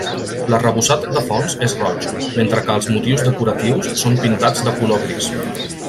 L'arrebossat de fons és roig, mentre que els motius decoratius són pintats de color gris.